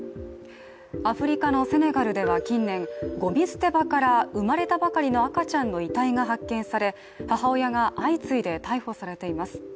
アフリカのセネガルでは近年ごみ捨て場から生まれたばかりの赤ちゃんの遺体が発見され、母親が相次いで逮捕されています。